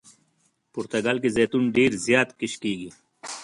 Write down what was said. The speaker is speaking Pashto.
پرتګال کې زیتون ډېر زیات کښت کیږي.